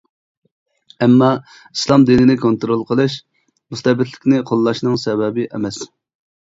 ئەمما ئىسلام دىنىنى كونترول قىلىش مۇستەبىتلىكنى قوللاشنىڭ سەۋەبى ئەمەس.